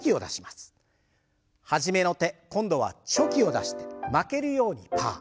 初めの手今度はチョキを出して負けるようにパー。